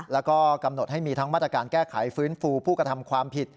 แล้วก็กำหนดให้มีทั้งมาตรการแก้ไขฟื้นฟูผู้กระทำความผิด